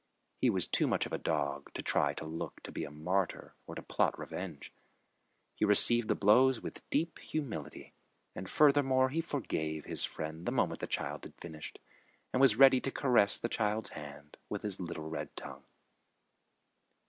He was too much of a dog to try to look to be a martyr or to plot revenge. He received the blows with deep humility, and furthermore he forgave his friend the moment the child had finished, and was ready to caress the child's hand with his little red tongue.